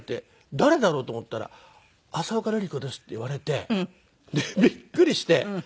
誰だろうと思ったら「浅丘ルリ子です」って言われて。でびっくりして。